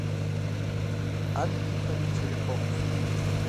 Ӏэнэм и пэри и кӀэри хъуэхъущ.